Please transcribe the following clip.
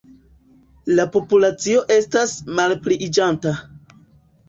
La populacio estas malpliiĝanta.